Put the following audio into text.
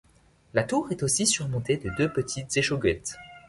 La tour est aussi surmontée de deux petites échauguettes.